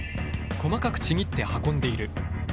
細かくちぎって運んでいる。